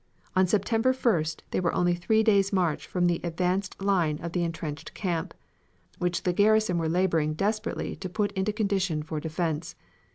On September 1st they were only three days' march from the advanced line of the intrenched camp, which the garrison were laboring desperately to put into condition for defense.